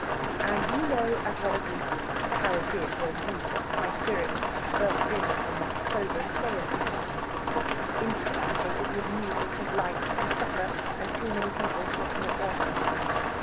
And you know as well as we do how it is when youth and high spirits burst in upon the sober stay at homes, intoxicated with music and lights and supper and too many people talking at once.